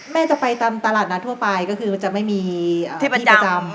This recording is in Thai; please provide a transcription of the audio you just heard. แม่จะไปตลาดนัดทั่วไปก็คือจะไม่มีที่ประจำ